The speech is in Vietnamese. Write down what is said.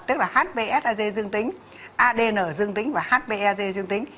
tức là hb sag dương tính adn dương tính và hb az dương tính